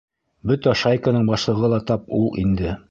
Бөтә шайканың башлығы ла тап ул инде.